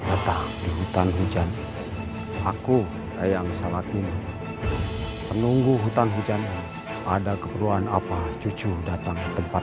petah di hutan hujan aku ayam salat ini penunggu hutan hujan ada keperluan apa cucu datang tempat